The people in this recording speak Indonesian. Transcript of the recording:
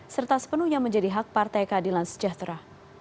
serta sepenuhnya menjadi hak partai keadilan sejahtera